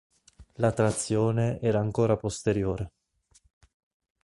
La trazione era ancora posteriore.